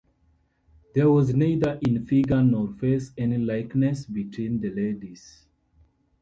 There was neither in figure nor face any likeness between the ladies.